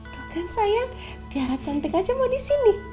tuh kan sayang tiara cantik aja mau di sini